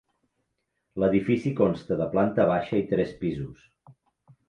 L'edifici consta de planta baixa i tres pisos.